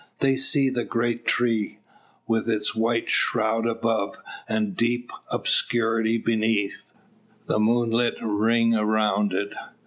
They see the great tree, with its white shroud above, and deep obscurity beneath the moonlit ring around it.